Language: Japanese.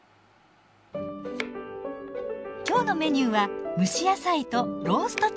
今日のメニューは蒸し野菜とローストチキン。